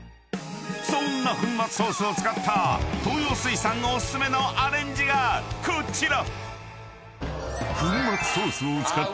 ［そんな粉末ソースを使った東洋水産お薦めのアレンジがこちら］